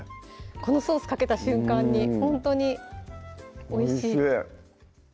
このソースかけた瞬間にほんとにおいしい！